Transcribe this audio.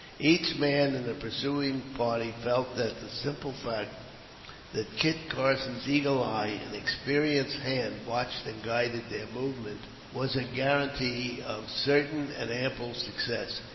Each man in the pursuing party felt that the simple fact that Kit Carson's eagle eye and experienced hand watched and guided their movements was a guaranty of certain and ample success.